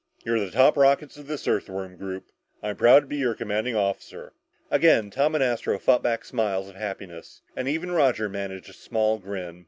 You're the top rockets of this Earthworm group! I'm proud to be your commanding officer!" Again Tom and Astro fought back smiles of happiness and even Roger managed a small grin.